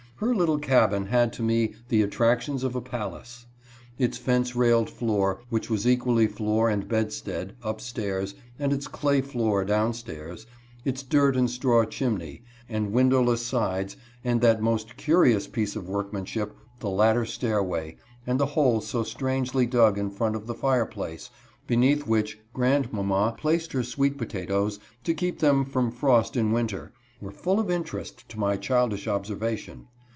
Her little cabin had to me the attractions of a palace. Its fence railed floor — which was equally floor and bedstead — up stairs, and its clay floor down stairs, its dirt and straw chimney, and windowless sides, and that most curious piece of workmanship, the ladder stairway, and the hole so strange ly dug in front of the fire place, beneath which grand mamma placed her sweet potatoes, to keep them from frost in winter, were full of interest to my childish obser vation.